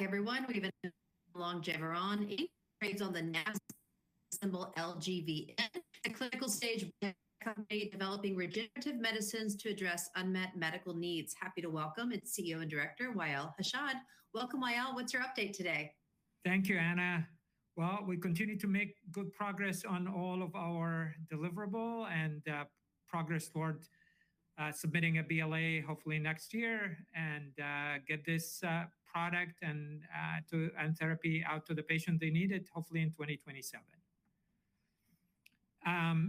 Everyone. We've been in at Longeveron and trades on the NASDAQ symbol LGVN. At clinical stage, we are a company developing regenerative medicines to address unmet medical needs. Happy to welcome its CEO and Director, Wa'el Hashad. Welcome, Wa'el. What's your update today? Thank you, Anna. We continue to make good progress on all of our deliverables and progress toward submitting a BLA hopefully next year and get this product and therapy out to the patients that need it, hopefully in 2027.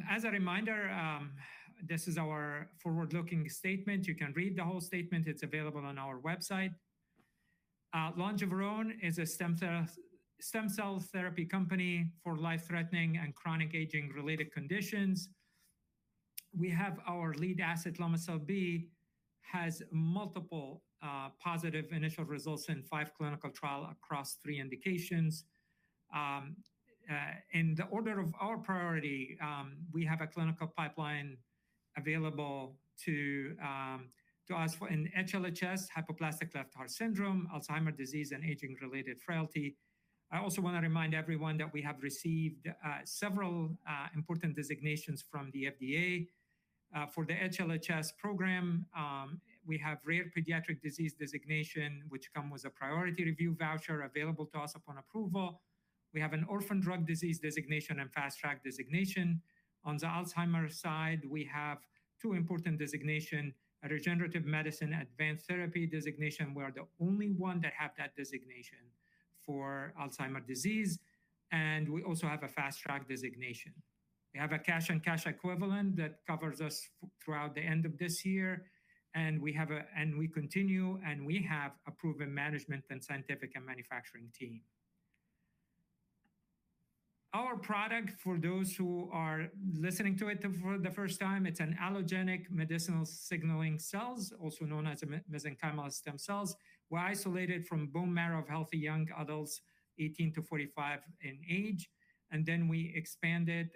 As a reminder, this is our forward-looking statement. You can read the whole statement. It is available on our website. Longeveron is a stem cell therapy company for life-threatening and chronic aging-related conditions. We have our lead asset, Lomecel-B, which has multiple positive initial results in five clinical trials across three indications. In the order of our priority, we have a clinical pipeline available to us for HLHS, hypoplastic left heart syndrome, Alzheimer's disease, and aging-related frailty. I also want to remind everyone that we have received several important designations from the FDA for the HLHS program. We have rare pediatric disease designation, which comes with a priority review voucher available to us upon approval. We have an orphan drug disease designation and fast-track designation. On the Alzheimer's side, we have two important designations: a regenerative medicine advanced therapy designation. We are the only one that has that designation for Alzheimer's disease. We also have a fast-track designation. We have a cash and cash equivalent that covers us throughout the end of this year. We continue and we have a proven management and scientific and manufacturing team. Our product, for those who are listening to it for the first time, it's an allogeneic medicinal signaling cells, also known as mesenchymal stem cells. We're isolated from bone marrow of healthy young adults, 18 to 45 in age. We expanded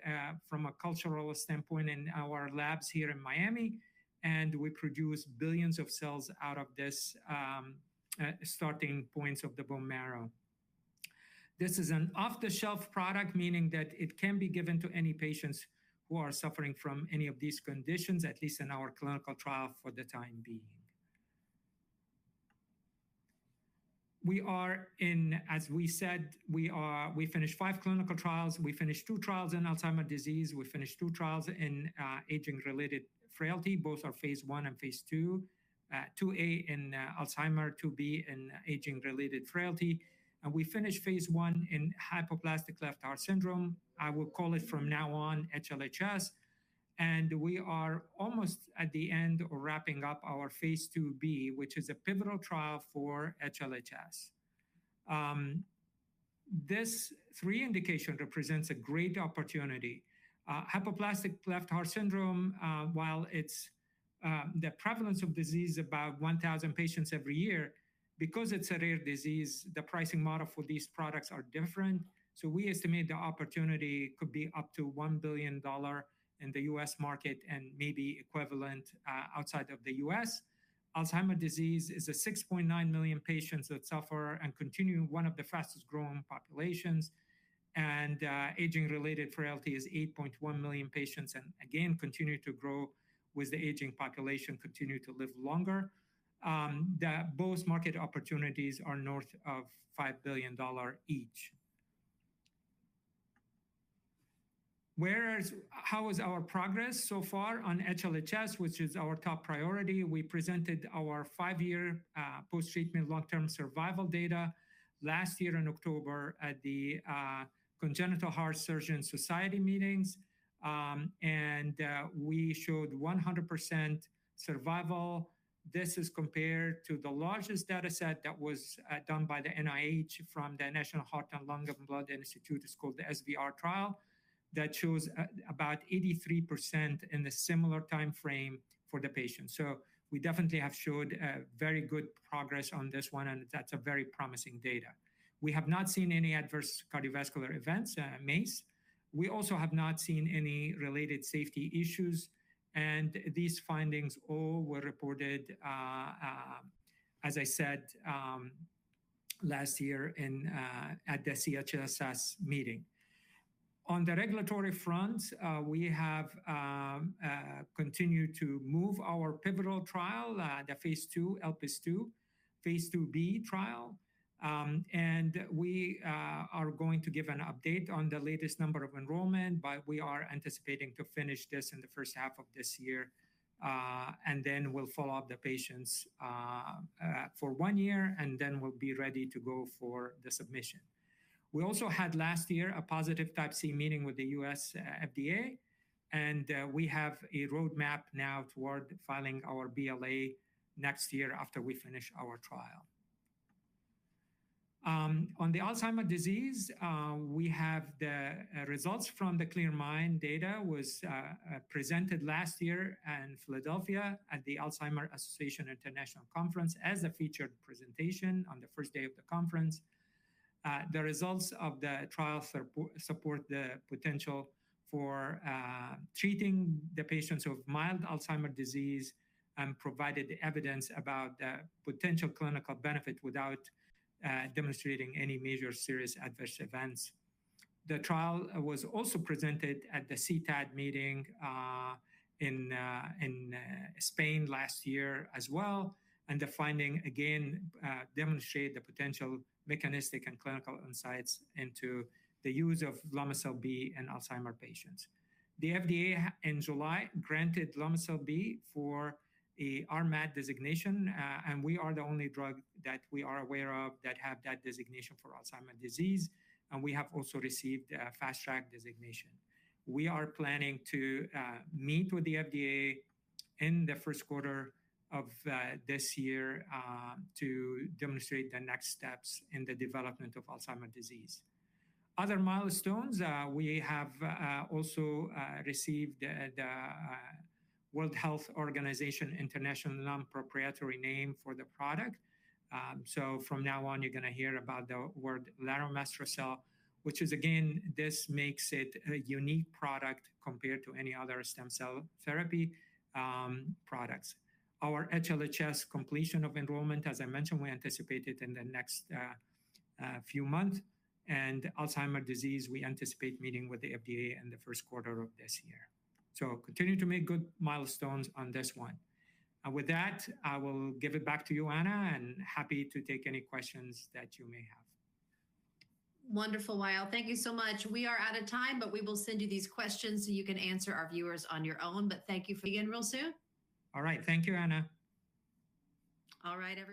from a cultural standpoint in our labs here in Miami. We produce billions of cells out of this starting points of the bone marrow. This is an off-the-shelf product, meaning that it can be given to any patients who are suffering from any of these conditions, at least in our clinical trial for the time being. We are in, as we said, we finished five clinical trials. We finished two trials in Alzheimer's disease. We finished two trials in aging-related frailty. Both are phase I and phase II, 2a in Alzheimer's, 2B in aging-related frailty. We finished phase I in hypoplastic left heart syndrome. I will call it from now on HLHS. We are almost at the end of wrapping up our phase 2b, which is a pivotal trial for HLHS. This three indications represent a great opportunity. Hypoplastic left heart syndrome, while the prevalence of disease is about 1,000 patients every year, because it's a rare disease, the pricing model for these products is different. We estimate the opportunity could be up to $1 billion in the US market and maybe equivalent outside of the US. Alzheimer's disease is 6.9 million patients that suffer and continue to be one of the fastest-growing populations. Aging-related frailty is 8.1 million patients and again continue to grow with the aging population, continue to live longer. Both market opportunities are north of $5 billion each. Whereas, how is our progress so far on HLHS, which is our top priority? We presented our five-year post-treatment long-term survival data last year in October at the Congenital Heart Surgeons' Society meetings. We showed 100% survival. This is compared to the largest data set that was done by the NIH from the National Heart and Lung and Blood Institute. It's called the SVR trial that shows about 83% in a similar timeframe for the patient. We definitely have showed very good progress on this one. That is very promising data. We have not seen any adverse cardiovascular events, MACE. We also have not seen any related safety issues. These findings all were reported, as I said, last year at the CHSS meeting. On the regulatory front, we have continued to move our pivotal trial, the phase II, ELPIS II, phase 2b trial. We are going to give an update on the latest number of enrollment, but we are anticipating to finish this in the first half of this year. We'll follow up the patients for one year, and then we'll be ready to go for the submission. We also had last year a positive type C meeting with the U.S. FDA. We have a roadmap now toward filing our BLA next year after we finish our trial. On the Alzheimer's disease, we have the results from the CLEAR MIND data that was presented last year in Philadelphia at the Alzheimer's Association International Conference as a featured presentation on the first day of the conference. The results of the trial support the potential for treating the patients with mild Alzheimer's disease and provided evidence about the potential clinical benefit without demonstrating any major serious adverse events. The trial was also presented at the CTAD meeting in Spain last year as well. The finding again demonstrated the potential mechanistic and clinical insights into the use of Lomecel-B in Alzheimer's patients. The FDA in July granted Lomecel-B an RMAT designation. We are the only drug that we are aware of that has that designation for Alzheimer's disease. We have also received a fast-track designation. We are planning to meet with the FDA in the first quarter of this year to demonstrate the next steps in the development of Alzheimer's disease. Other milestones, we have also received the World Health Organization International non-proprietary name for the product. From now on, you're going to hear about the word lomestrocel, which is, again, this makes it a unique product compared to any other stem cell therapy products. Our HLHS completion of enrollment, as I mentioned, we anticipate it in the next few months. Alzheimer's disease, we anticipate meeting with the FDA in the first quarter of this year. We continue to make good milestones on this one. With that, I will give it back to you, Anna, and happy to take any questions that you may have. Wonderful, Wa'el. Thank you so much. We are out of time, but we will send you these questions so you can answer our viewers on your own. Thank you. Begin real soon. All right. Thank you, Anna. All right.